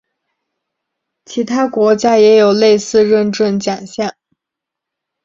其他国家也有类似认证奖项。